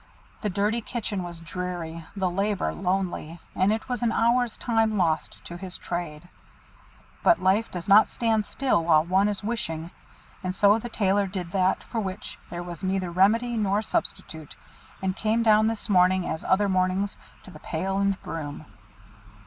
The dirty kitchen was dreary, the labour lonely, and it was an hour's time lost to his trade. But life does not stand still while one is wishing, and so the Tailor did that for which there was neither remedy nor substitute; and came down this morning as other mornings to the pail and broom.